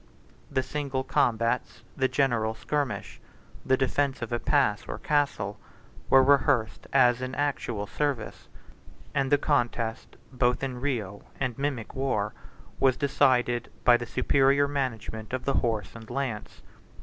The single combats, the general skirmish, the defence of a pass, or castle, were rehearsed as in actual service; and the contest, both in real and mimic war, was decided by the superior management of the horse and lance.